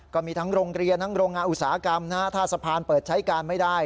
ก็มีทั้งโรงเรียนทั้งโรงงานอุตสาหกรรมถ้าสะพานเปิดใช้การไม่ได้